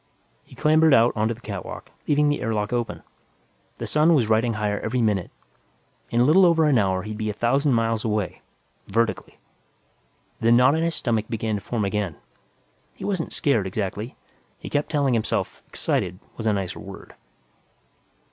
He clambered out onto the catwalk, leaving the air lock open. The sun was riding higher every minute. In a little over an hour, he'd be a thousand miles away vertically. The knot in his stomach began to form again. He wasn't scared, exactly; he kept telling himself "excited" was a nicer word.